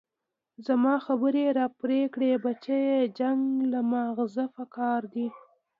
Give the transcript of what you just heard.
زما خبرې يې راپرې كړې بچيه جنګ له مازغه پكار دي.